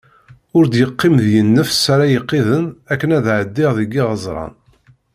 Ur d-yeqqim deg-i nnefs ara iqiden akken ad ɛeddiɣ deg iɣeẓṛan.